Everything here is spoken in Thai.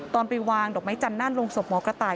ไปวางดอกไม้จันทร์หน้าโรงศพหมอกระต่าย